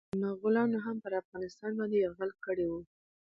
مغولانو هم پرافغانستان باندي يرغل کړی و.